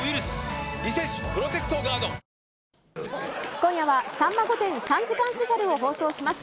今夜は、さんま御殿３時間スペシャルを放送します。